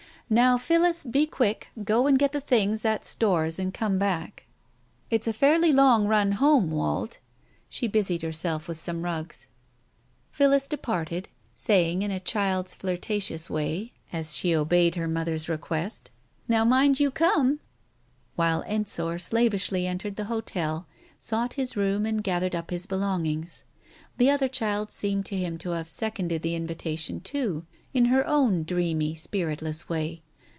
Now, Phillis, be quick, go and get the things at Storr's, and come back. It's a fairly long run home, Wald. ..." She busied herself with some rugs. ... Phillis departed, saying in a child's flirtatious way as Digitized by Google THE TIGER SKIN 255 she obeyed her mother's request, "Now mind you come," while Ensor slavishly entered the hotel, sought his room and gathered up his belongings. The other child seemed to him to have seconded the invitation too, in her own dreamy, spiritless way.